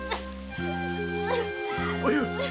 〔おゆう！